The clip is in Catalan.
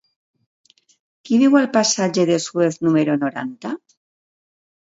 Qui viu al passatge de Suez número noranta?